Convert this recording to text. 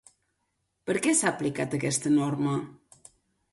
Per què s'ha aplicat aquesta norma?